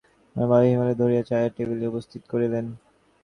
অক্ষয় চলিয়া গেলে আবার অন্নদাবাবু হেমনলিনীকে ধরিয়া চায়ের টেবিলে উপস্থিত করিলেন।